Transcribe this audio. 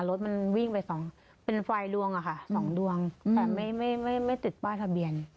รถมันวิ่งไปสองเป็นไฟลวงอะค่ะสองดวงอืมแต่ไม่ไม่ไม่ไม่ติดป้ายทะเบียน